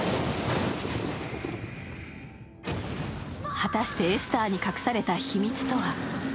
果たしてエスターに隠された秘密とは？